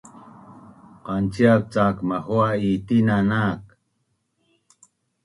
Qanciap cak mahua’ i tina nak